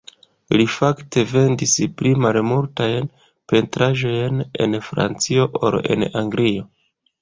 Li fakte vendis pli multajn pentraĵojn en Francio ol en Anglio.